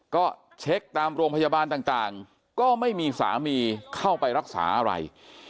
ก็เช็คตามโรงพยาบาลต่างก็ไม่มีสามีเข้าไปรักษาอะไร